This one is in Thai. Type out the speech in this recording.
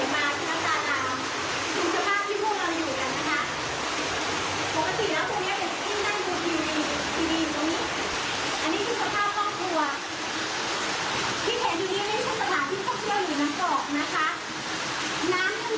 น้ำข้างนอกสูงกว่าน้ำข้างในตอนนี้